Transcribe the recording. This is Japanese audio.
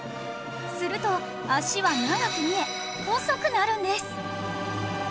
すると脚は長く見え細くなるんです